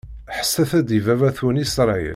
Ḥesset-d i baba-twen Isṛayil!